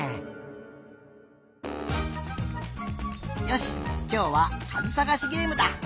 よしきょうはかずさがしゲームだ！